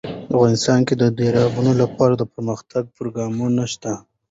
افغانستان کې د دریابونه لپاره دپرمختیا پروګرامونه شته.